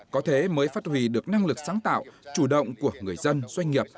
có thế mới phát huy được năng lực sáng tạo chủ động của người dân doanh nghiệp